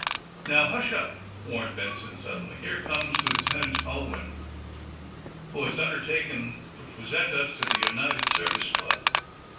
"Now, hush up," warned Benson, suddenly. "Here comes Lieutenant Ulwin, who has undertaken to present us at the United Service Club.